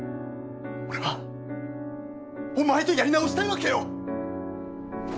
俺はお前とやり直したいわけよ！